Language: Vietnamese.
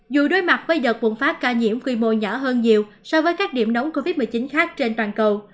dù đối mặt với giờ bùng phát ca nhiễm quy mô nhỏ hơn nhiều so với các điểm nóng covid một mươi chín khác trên toàn cầu